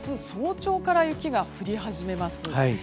早朝から雪が降り始めます。